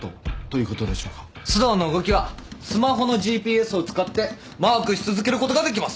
須藤の動きはスマホのＧＰＳを使ってマークし続けることができます。